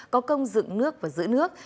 có công dựng nước và giữ nước